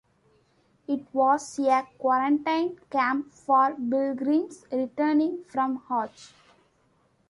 It was a quarantine camp for Pilgrims returning from Hajj.